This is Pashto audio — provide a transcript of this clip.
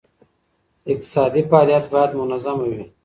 اقتصادي فعالیت باید منظمه وي.